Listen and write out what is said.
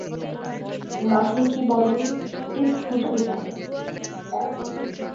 নাহি কি বল এ ভুজমৃণালে?